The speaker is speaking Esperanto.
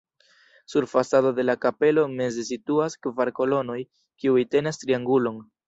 Sur fasado de la kapelo meze situas kvar kolonoj, kiuj tenas triangulon.